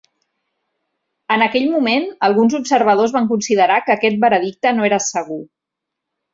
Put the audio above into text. En aquell moment, alguns observadors van considerar que aquest veredicte no era segur.